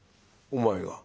「お前が？